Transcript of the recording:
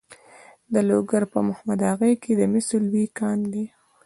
د لوګر په محمد اغه کې د مسو لوی کان دی.